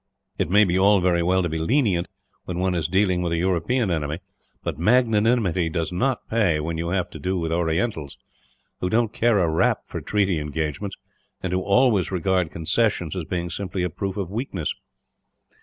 It may be all very well to be lenient, when one is dealing with a European enemy; but magnanimity does not pay when you have to do with Orientals, who don't care a rap for treaty engagements, and who always regard concessions as being simply a proof of weakness.